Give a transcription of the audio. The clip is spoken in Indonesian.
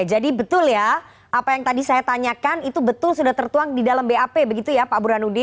jadi betul ya apa yang tadi saya tanyakan itu betul sudah tertuang di dalam bap begitu ya pak burhanuddin